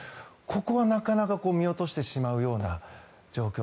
ここはなかなか見落としてしまうような状況。